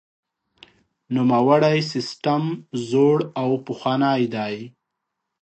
نوموړی سیستم زوړ او پخوانی دی.